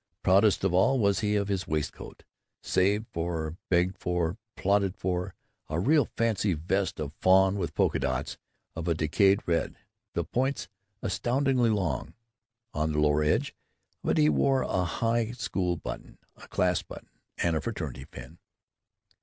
Proudest of all was his waistcoat, saved for, begged for, plotted for; a real Fancy Vest of fawn with polka dots of a decayed red, the points astoundingly long. On the lower edge of it he wore a high school button, a class button, and a fraternity pin.